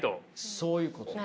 そういうことです。